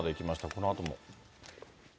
このあとも。